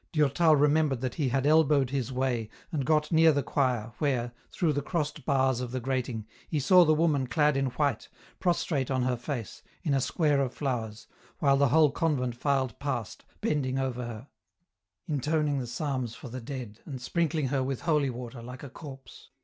Durtal remembered that he had elbowed his way, and got near the choir, where, through the crossed bars of the grating, he saw the woman clad in white, prostrate on her face, in a square of flowers, while the whole convent filed past, bending over her, intoning the psalms for the dead, and sprinkling her with holy water, like a corpse.